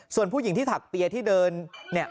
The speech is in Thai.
ส่วนผู้หญิงที่ถักเปียที่เดินเนี่ย